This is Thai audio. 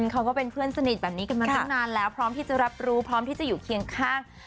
เขาก็เป็นเพื่อนสนิทแบบนี้กันมาตั้งนานแล้วพร้อมที่จะรับรู้พร้อมที่จะอยู่เคียงข้าง